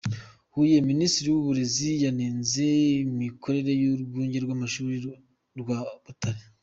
Huye: Minisitiri w’Uburezi yanenze imikorere y’Urwunge rw’Amashuri rwa Butare.